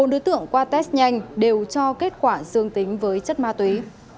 bốn đối tượng qua test nhanh đều cho kết quả dương tính với chất ma túy